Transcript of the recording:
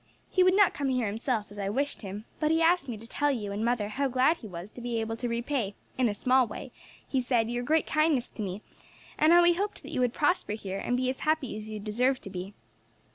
He would not come here himself, as I wished him, but he asked me to tell you and mother how glad he was to be able to repay, in a small way, he said your great kindness to me, and how he hoped that you would prosper here, and be as happy as you deserve to be.